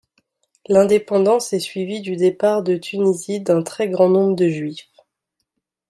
L’indépendance est suivie du départ de Tunisie d’un très grand nombre de Juifs.